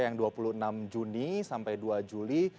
yang dua puluh enam juni sampai dua juli